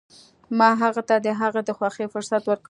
ما هغه ته د هغه د خوښې فرصت ورکړ.